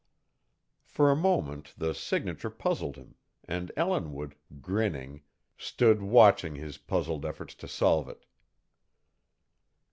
For a moment the signature puzzled him, and Ellinwood, grinning, stood watching his puzzled efforts to solve it.